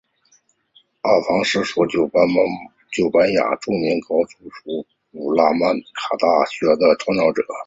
阿方索九世是西班牙著名高等学府萨拉曼卡大学的创建者。